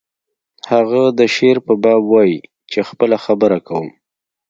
هغه د شعر په باب وایی چې خپله خبره کوم